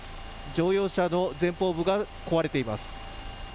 乗用車の前方部が壊れています。